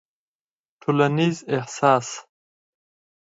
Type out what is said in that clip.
ټولنيز احساس